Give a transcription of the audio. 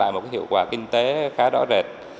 lại một hiệu quả kinh tế khá rõ rệt